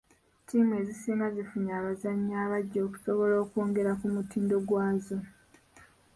Ttiimu ezisinga zifunye abazannyi abaggya okusobola okwongera ku mutindo gwazo.